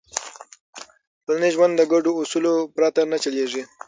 ټولنیز ژوند د ګډو اصولو پرته نه چلېږي.